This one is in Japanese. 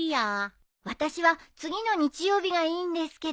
私は次の日曜日がいいんですけど。